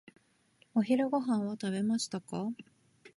お昼ご飯を食べましたか？